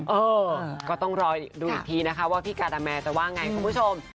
เออก็ต้องรอดูอีกทีนะคะว่าพี่กาดาแมนจะว่าไงคุณผู้ชม